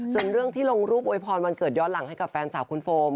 ส่วนเรื่องที่ลงรูปอวยพรวันเกิดย้อนหลังให้กับแฟนสาวคุณโฟม